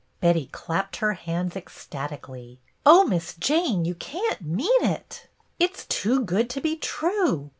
Betty clapped her hands ecstatically. "Oh, Miss Jane, you can't mean it! It's 3 BETTY BAIRD 34 too good to be true.